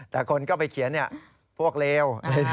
แต่คนก็ไปเขียนพวกเลว